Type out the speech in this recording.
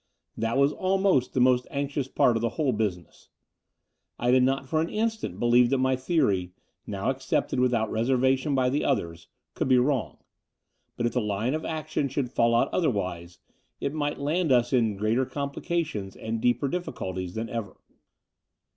That was almost the most anxious part of the whole btisiness. I did not for an instant believe that my theory, now accepted without reservation by the others, could be wrong; but, if the line of action should fall out otherwise, it might land us in greater complications and deeper difficulties than ever.